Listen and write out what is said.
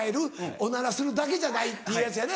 おならするだけじゃないっていうやつやね。